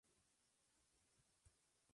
vosotras hubieseis vivido